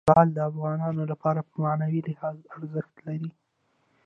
لعل د افغانانو لپاره په معنوي لحاظ ارزښت لري.